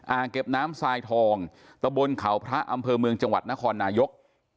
อ่างเก็บน้ำทรายทองตะบนเขาพระอำเภอเมืองจังหวัดนครนายก